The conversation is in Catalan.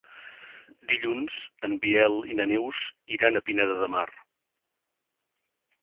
Dilluns en Biel i na Neus iran a Pineda de Mar.